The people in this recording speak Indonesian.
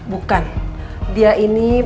bukan dia ini